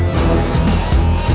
masih lu nunggu